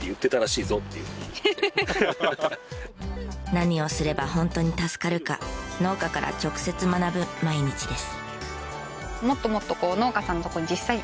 何をすれば本当に助かるか農家から直接学ぶ毎日です。